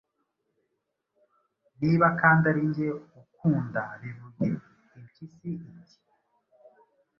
niba kandi ari ge ukunda bivuge. Impyisi iti: “